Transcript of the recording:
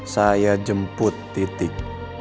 saya jemput titik